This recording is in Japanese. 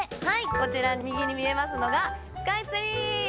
こちら右に見えますのがスカイツリー！